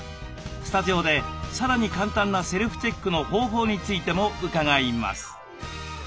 スタジオでさらに簡単なセルフチェックの方法についても伺います。